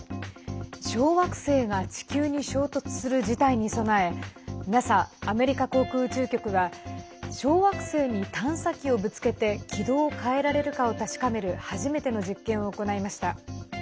小惑星が地球に衝突する事態に備えＮＡＳＡ＝アメリカ航空宇宙局は小惑星に探査機をぶつけて軌道を変えられるかを確かめる初めての実験を行いました。